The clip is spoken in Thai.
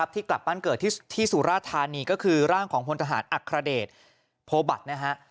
ที่กลับบ้านเกิดที่สุราธานีก็คือร่างของพลทหารอัครเดชโพบัตรนะฮะ